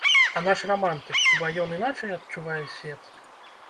А наш рамантык, хіба ён іначай адчувае свет?